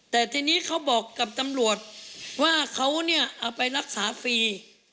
แต่ทีนี้เขาบอกกับตำรวจว่าเขาเนี่ยเอาไปรักษาฟรี